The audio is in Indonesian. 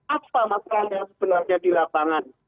apa masalahnya sebenarnya di lapangan